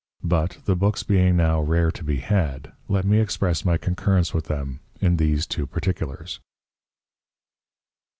But the Books being now rare to be had, let me express my Concurrence with them in these two particulars.